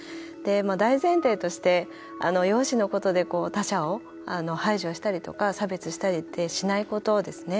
大前提として容姿のことで他者を排除したりとか差別したりってしないことですね。